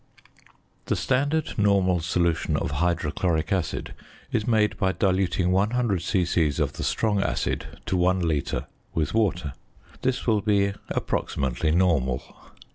The standard normal solution of hydrochloric acid is made by diluting 100 c.c. of the strong acid to one litre with water. This will be approximately normal.